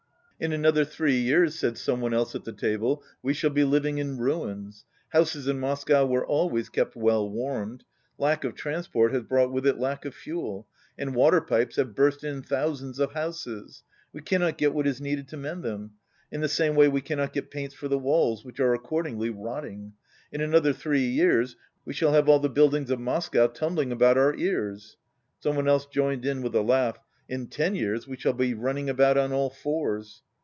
"In another three years," said some one else at the table, "we shall be living in ruins. Houses in Moscow were always kept well warmed. Lack of transport has brought with it lack of fuel, and water pipes have burst in thousands of houses. We cannot get what is needed to mend them. In the same way we cannot get paints for the walls, which are accordingly rotting. In another three years we shall have all the buildings of Moscow tumbling about our ears." Some one else joined in with a laugh: "In ten years we shall be running about on all fours."